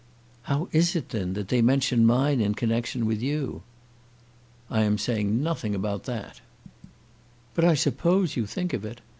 "How is it, then, if they mention mine in connection with you?" "I am saying nothing about that." "But I suppose you think of it.